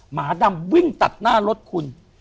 หมาดำวิ่งตัดหน้ารถคุณ